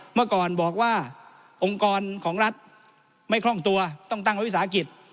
เมื่อก่อนบอกว่าองค์กรของรัฐไม่คล่องตัวต้องตั้งไว้วิสาหกิจ